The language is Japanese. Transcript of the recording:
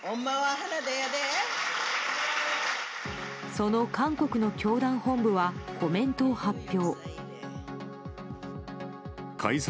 その韓国の教団本部はコメントを発表。